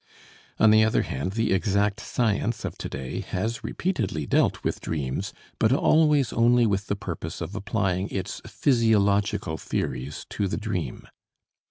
On the other hand, the exact science of to day has repeatedly dealt with dreams, but always only with the purpose of applying its physiological theories to the dream.